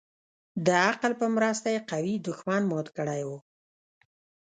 د عقل په مرسته يې قوي دښمن مات كړى و.